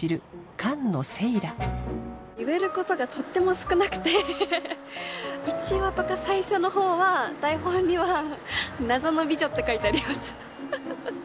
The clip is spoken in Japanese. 菅野セイラ言えることがとっても少なくて１話とか最初の方は台本には謎の美女って書いてあります